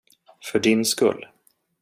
För din skull.